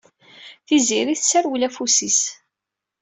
Tiziri tesserwel afus-is.